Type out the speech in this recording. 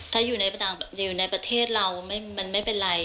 ถ้าอยู่ในประเทศเรามันไม่เป็นไร